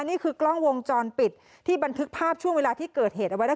นี่คือกล้องวงจรปิดที่บันทึกภาพช่วงเวลาที่เกิดเหตุเอาไว้ได้